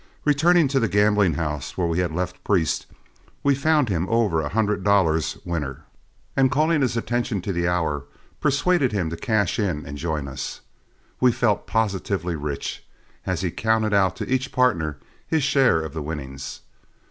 Returning to the gambling house where we had left Priest, we found him over a hundred dollars winner, and, calling his attention to the hour, persuaded him to cash in and join us. We felt positively rich, as he counted out to each partner his share of the winnings!